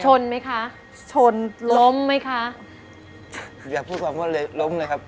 ชนไหมคะชนล้มไหมคะอย่าพูดความว่าเลยล้มเลยครับ